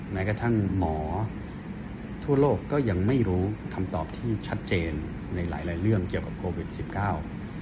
แม้กระทั่งหมอทั่วโลกก็ยังไม่รู้คำตอบที่ชัดเจนในหลายหลายเรื่องเกี่ยวกับโควิดสิบเก้า